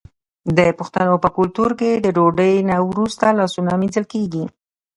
د پښتنو په کلتور کې د ډوډۍ نه وروسته لاسونه مینځل کیږي.